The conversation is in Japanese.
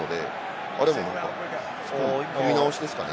でも組み直しですかね。